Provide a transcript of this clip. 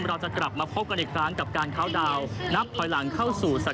ข้าวไทยรัฐโภคธนวัฒน์โชคก็จะพุ่งมาแล้ว